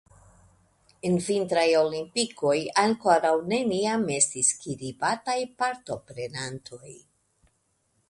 En vintraj olimpikoj ankoraŭ neniam estis kiribataj partoprenantoj.